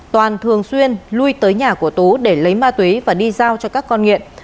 toàn thường xuyên lui tới nhà của tú để lấy ma túy và đi giao cho các con nghiện